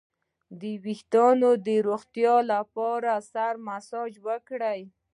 د ویښتو د روغتیا لپاره د سر مساج وکړئ